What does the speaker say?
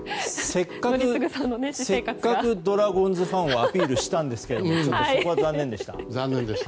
せっかくドラゴンズファンをアピールしたんですけれどもそこは残念でした。